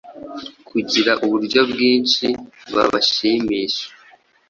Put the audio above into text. Kugira uburyo bwinshi babashimisha